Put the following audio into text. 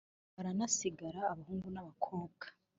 Baranasigana abahungu, na bakobwa